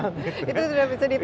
itu sudah bisa ditawar